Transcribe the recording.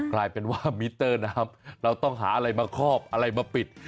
กลายเป็นว่ามิเตอร์น้ำเราต้องหาอะไรมาคอบอะไรมาปิด